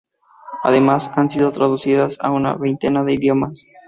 Además, han sido traducidas a una veintena de idiomas.